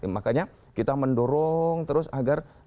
makanya kita mendorong terus agar